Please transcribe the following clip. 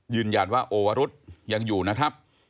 ยืนยันว่าโอวรุษยังอยู่นะครับ